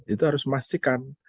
itu harus memastikan